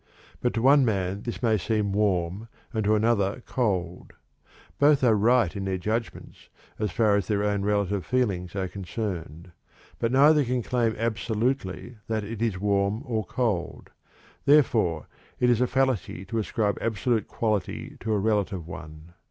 But to one man this may seem warm and to another cold; both are right in their judgments, so far as their own relative feelings are concerned. But neither can claim absolutely that it is warm or cold. Therefore, it is a fallacy to ascribe absolute quality to a relative one.